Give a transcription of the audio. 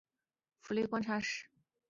历官福建江西观察使。